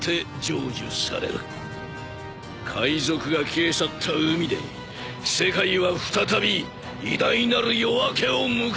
海賊が消え去った海で世界は再び偉大なる夜明けを迎えるのだ。